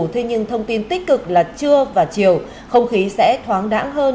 thế nhưng thông tin tích cực là trưa và chiều không khí sẽ thoáng đáng hơn